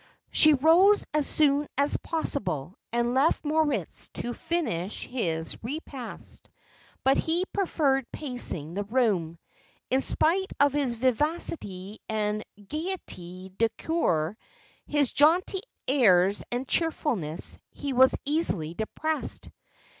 She rose as soon as possible, and left Moritz to finish his repast; but he preferred pacing the room. In spite of his vivacity and gaieté de coeur, his jaunty airs and cheerfulness, he was easily depressed.